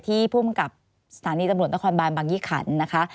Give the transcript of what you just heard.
ที่ผู้มันกลับสถานีจำนวนนครบานบางยิขันนะคะ